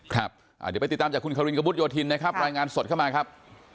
ครับเดี๋ยวไปติดตามจากคุณคารินกระมุดโยธินนะครับรายงานสดเข้ามาครับ